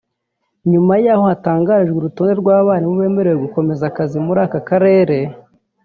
Nyuma y’aho hatangarijwe urutonde rw’abarimu bemerewe gukomeza akazi muri aka karere